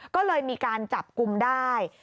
ก็เลยมีการจับกลุ่มได้